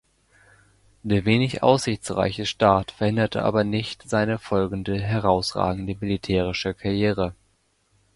Der wenig aussichtsreiche Start verhinderte aber nicht seine folgende herausragende militärische Karriere.